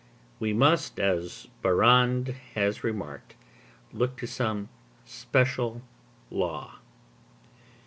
We must, as Barrande has remarked, look to some special law.